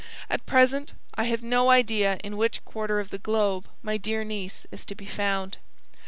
At present I have no idea in which quarter of the globe my dear niece is to be found.